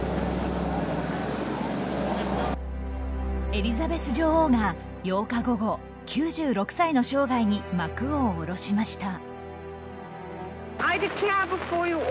エリザベス女王が、８日午後９６歳の生涯に幕を下ろしました。